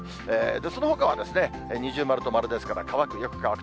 そのほかは二重丸と丸ですから、乾く、よく乾く。